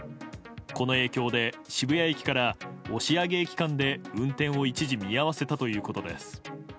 この影響で渋谷駅から押上駅間で運転を一時、見合わせたということです。